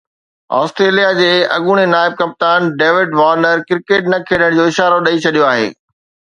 Australia جي اڳوڻي نائب ڪپتان ڊيوڊ وارنر ڪرڪيٽ نه کيڏڻ جو اشارو ڏئي ڇڏيو آهي